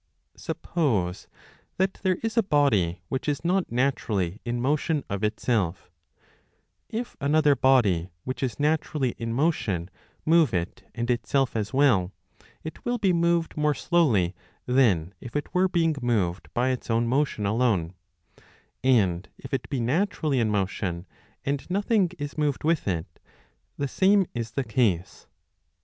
Suppose that there is a body which is not naturally 35 in motion of itself ; if another body which is naturally in motion move it and itself as well, it will be moved more slowly than if it were being moved by its own motion alone ; and if it be naturally in motion and nothing is moved with it, the same is the case.